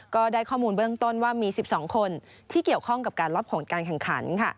ก็ได้ข้อมูลเบื้องต้นว่ามี๑๒คนที่เกี่ยวข้องกับการล็อกผลการแข่งขัน